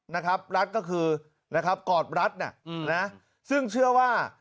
นะครับรัฐก็คือนะครับกอดรัฐน่ะอืมนะซึ่งเชื่อว่า